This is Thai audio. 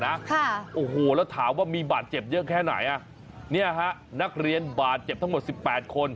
ค่ะโอ้โหแล้วถามว่ามีบาดเจ็บเยอะแค่ไหนอ่ะเนี่ยฮะนักเรียนบาดเจ็บทั้งหมดสิบแปดคน